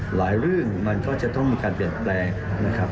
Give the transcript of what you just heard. หลายเรื่องมันก็จะต้องมีการเปลี่ยนแปลงนะครับ